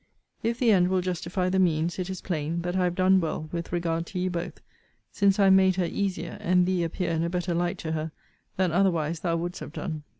If the end will justify the means, it is plain, that I have done well with regard to ye both; since I have made her easier, and thee appear in a better light to her, than otherwise thou wouldst have done.